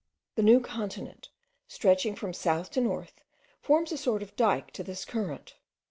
The New Continent, stretching from south to north, forms a sort of dyke to this current.